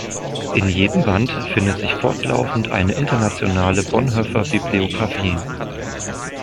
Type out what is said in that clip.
In jedem Band findet sich fortlaufend eine internationale Bonhoeffer-Bibliografie.